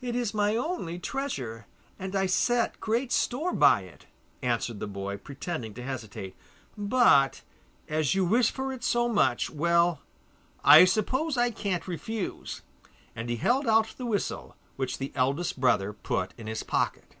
'It is my only treasure, and I set great store by it,' answered the boy, pretending to hesitate. 'But as you wish for it so much, well, I suppose I can't refuse,' and he held out the whistle, which the eldest brother put in his pocket.